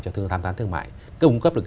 cho thăm tán thương mại cung cấp được